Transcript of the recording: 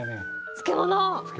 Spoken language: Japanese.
漬物。